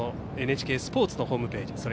ＮＨＫスポーツのホームページ